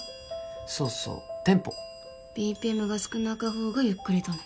そうそうテンポＢＰＭが少なかほうがゆっくりとね？